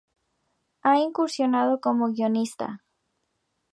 Ha incursionado como guionista.